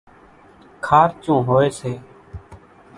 کارچون هوئيَ سي۔